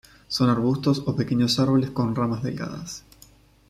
Son arbustos o pequeños árboles con ramas delgadas.